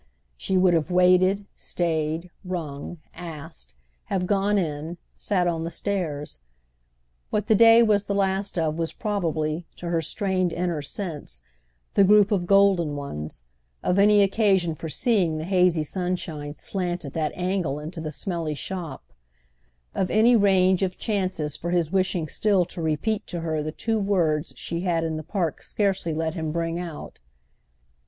She would have waited, stayed, rung, asked, have gone in, sat on the stairs. What the day was the last of was probably, to her strained inner sense, the group of golden ones, of any occasion for seeing the hazy sunshine slant at that angle into the smelly shop, of any range of chances for his wishing still to repeat to her the two words she had in the Park scarcely let him bring out.